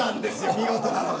見事なのが。